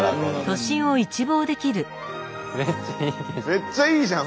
めっちゃいいじゃん